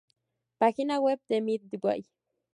Página web de Midway